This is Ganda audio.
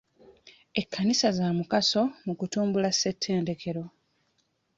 Ekkanisa za mugaso mu kutumbula ssettendekero.